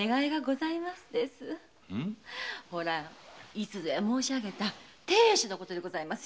いつぞや申し上げた亭主のことでございます。